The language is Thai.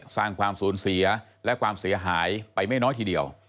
สร้างความสูญเสียและความเสียหายไปไม่น้อยทีเดียว